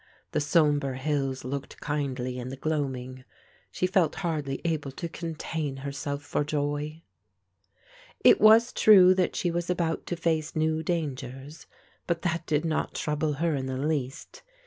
The sombre hills looked kindly in the gloaming. She felt hardly able to contain herself for joy. It was true that she was about to face new dangers; but that did not trouble her in the least.